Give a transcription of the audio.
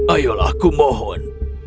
ayolah aku mohon